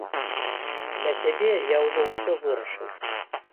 Для сябе я ўжо ўсё вырашыў.